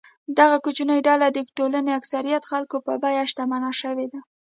دغه کوچنۍ ډله د ټولنې اکثریت خلکو په بیه شتمنه شوې ده.